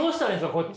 こっち。